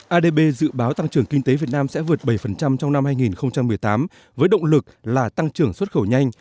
adb dự báo tăng trưởng kinh tế việt nam sẽ vượt bảy trong năm hai nghìn một mươi tám với động lực là tăng trưởng xuất khẩu nhanh